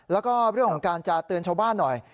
แล้วก็เรื่องของการจะเตือนชาวบ้านหน่อย